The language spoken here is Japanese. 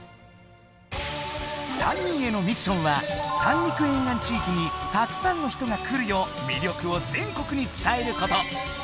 ３人へのミッションは三陸沿岸地域にたくさんの人が来るよう魅力を全国に伝えること！